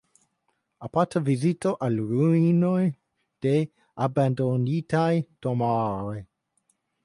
Aparta vizito al ruinoj de abandonitaj domaroj.